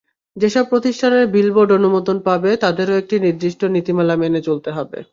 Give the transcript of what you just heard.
যেসব প্রতিষ্ঠানের বিলবোর্ড অনুমোদন পাবে, তাদেরও একটি নির্দিষ্ট নীতিমালা মেনে চলতে হবে।